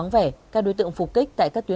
để tiếp tục làm sao